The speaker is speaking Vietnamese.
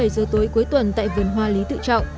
bảy giờ tối cuối tuần tại vườn hoa lý tự trọng